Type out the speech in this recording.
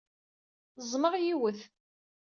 Ẓẓmeɣ yiwet.